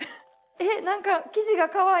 え何か生地がかわいい。